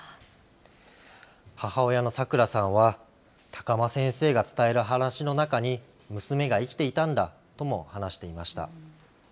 母親のさくらさんは、高間先生が伝える話の中に、娘が生きていたんだとも話していました。